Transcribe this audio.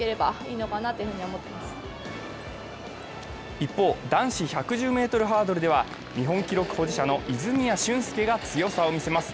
一方、男子１１０ｍハードルでは日本記録保持者の泉谷駿介が強さを見せます。